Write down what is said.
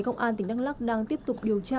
công an tỉnh đăng lóc đang tiếp tục điều tra